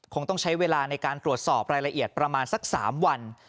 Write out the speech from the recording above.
คงต้องใช้เวลาในการตรวจสอบรายละเอียดประมาณสัก๓วัน